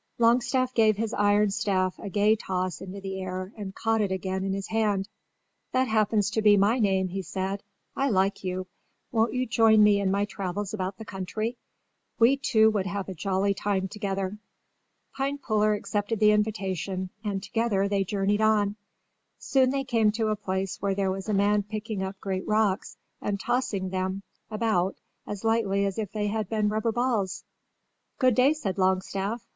Longstaff gave his iron staff a gay toss into the air and caught it again in his hand. "That happens to be my name," he said. "I like you. Won't you join me in my travels about the country? We two would have a jolly time together." Pinepuller accepted the invitation and together they journeyed on. Soon they came to a place where there was a man picking up great rocks and tossing them about as lightly as if they had been rubber balls. "Good day," said Longstaff.